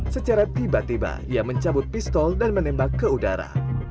secara tiba tiba ia mencabut pistol dan menembak ke udara